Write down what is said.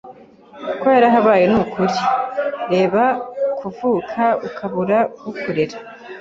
kuko yarahabaye ni ukuri. Reba kuvuka, ukabura ukurera